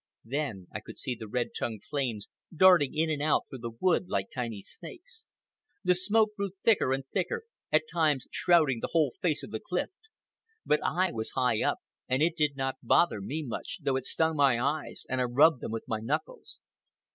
Then I could see the red tongued flames darting in and out through the wood like tiny snakes. The smoke grew thicker and thicker, at times shrouding the whole face of the cliff. But I was high up and it did not bother me much, though it stung my eyes and I rubbed them with my knuckles.